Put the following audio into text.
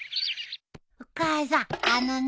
お母さんあのね。